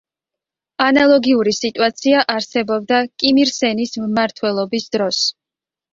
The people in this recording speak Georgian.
ანალოგიური სიტუაცია არსებობდა კიმ ირ სენის მმართველობის დროს.